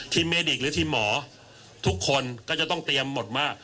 เมดิกหรือทีมหมอทุกคนก็จะต้องเตรียมหมดมาก